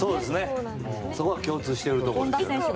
そこは共通してるところですね。